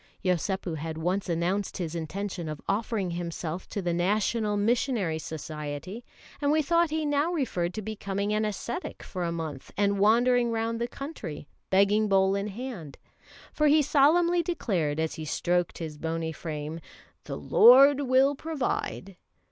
Yosépu had once announced his intention of offering himself to the National Missionary Society, and we thought he now referred to becoming an ascetic for a month and wandering round the country, begging bowl in hand; for he solemnly declared as he stroked his bony frame: "The Lord will provide."